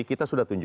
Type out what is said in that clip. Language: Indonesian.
kita sudah terima